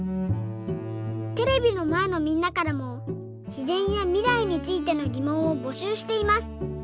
テレビのまえのみんなからもしぜんやみらいについてのぎもんをぼしゅうしています。